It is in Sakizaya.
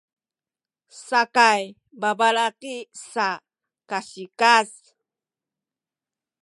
sakay babalaki sa kasikaz